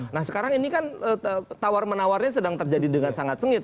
nah sekarang ini kan tawar menawarnya sedang terjadi dengan sangat sengit